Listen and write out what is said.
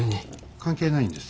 関係ないんです